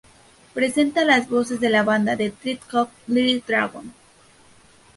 Presenta las voces de la banda de trip hop, Little Dragon.